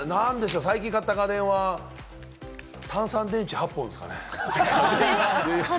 何でしょう、最近買った家電は単三電池８本ですかね。